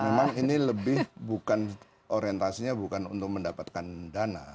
memang ini lebih bukan orientasinya bukan untuk mendapatkan dana